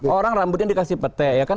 orang rambutnya dikasih petai ya kan